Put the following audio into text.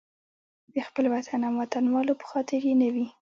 د خپل وطن او وطنوالو په خاطر یې نه وي.